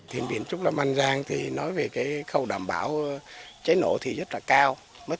thiền viện trúc lâm an giang nói về khâu đảm bảo cháy nổ thì rất là cao